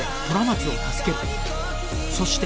そして